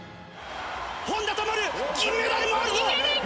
本多灯金メダルもあるぞ！